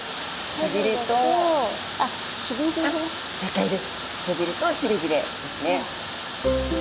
背びれとしりびれですね。